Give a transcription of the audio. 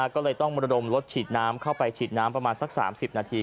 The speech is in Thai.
ก็เลยต้องระดมรถฉีดน้ำเข้าไปฉีดน้ำประมาณสัก๓๐นาที